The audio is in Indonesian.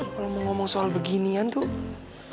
kalau mau ngomong soal beginian tuh